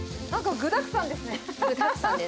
具だくさんです。